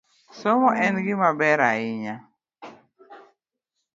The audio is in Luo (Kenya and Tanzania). Somo en gima ber ahinya.